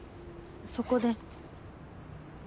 そこで。